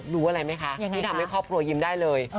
รู้อะไรไหมคะที่ทำให้คัมภาพยิมได้เลย